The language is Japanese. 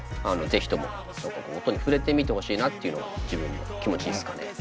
是非とも音に触れてみてほしいなっていうのが自分の気持ちですかね。